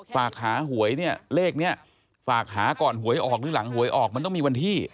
ฝากหาหวยเนี่ยเลขนี้ฝากหาก่อนหวยออกหรือหลังหวยออกมันต้องมีวันที่